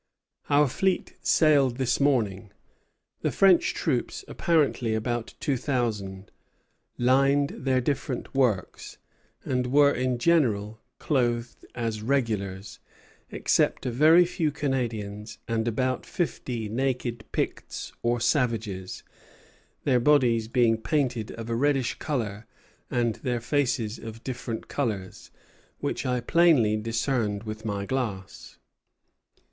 Our fleet sailed this morning. The French troops, apparently about two thousand, lined their different works, and were in general clothed as regulars, except a very few Canadians and about fifty naked Picts or savages, their bodies being painted of a reddish color and their faces of different colors, which I plainly discerned with my glass.